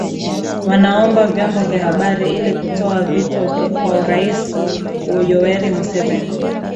wanaomba vyombo vya habari ilikutoa vito kwa rais yoweri museveni